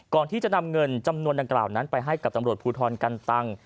ก่อนที่จะนำเงินจำนวนดังกล่าวนั้นไปให้กับตำรวจภูทรกันตัง